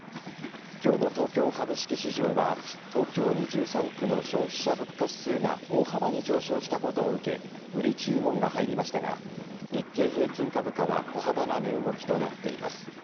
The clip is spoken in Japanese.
今日の東京株式市場は東京２３区の消費者物価指数が大幅に上昇したことを受け売り注文が入りましたが日経平均株価は小幅な値動きとなっています。